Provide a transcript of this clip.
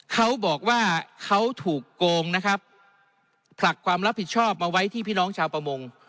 เขาบอกว่าเขาถูกโกงนะครับผลักความรับผิดชอบมาไว้ที่พี่น้องชาวประมง